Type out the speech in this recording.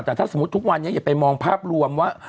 แต่ถ้าสมมุติทุกวันนี้อย่าไปมองภาพรวมว่า